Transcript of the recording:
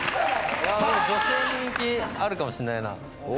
女性に人気あるかもしれないな。